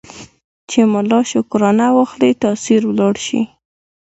چي ملا شکرانه واخلي تأثیر ولاړ سي